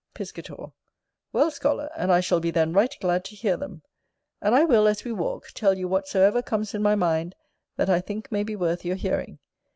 Piscator Well, scholar, and I shall be then right glad to hear them. And I will, as we walk, tell you whatsoever comes in my mind, that I think may be worth your hearing.